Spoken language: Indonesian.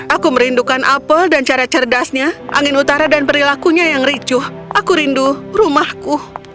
aku merindukan apel dan cara cerdasnya angin utara dan perilakunya yang ricuh aku rindu rumahku